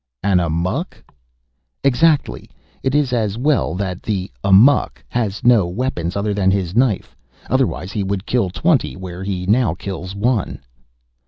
"An amok." "Exactly. It is as well that the amok has no weapons other than his knife. Otherwise he would kill twenty where now he kills one."